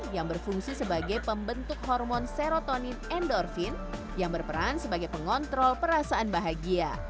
yang berfungsi sebagai pembentuk hormon serotonin endorfin yang berperan sebagai pengontrol perasaan bahagia